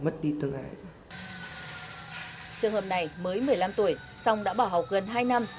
trường hợp này mới một mươi năm tuổi xong đã bỏ học gần hai năm